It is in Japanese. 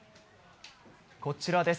こちらです。